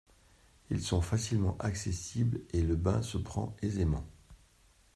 Ils sont facilement accessibles et le bain se prend aisément.